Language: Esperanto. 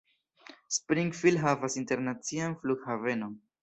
Springfield havas internacian flughavenon.